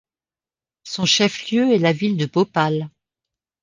Son chef-lieu est la ville de Bhopal.